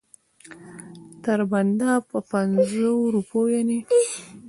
تر بنده په پنځو روپو یعنې.